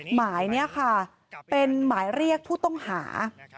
หมายนี้ค่ะเป็นหมายเรียกผู้ต้องหา